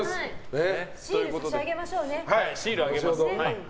シールあげましょうね。